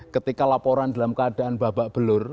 ketika laporan dalam keadaan babak belur